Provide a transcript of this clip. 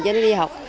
cho nó đi học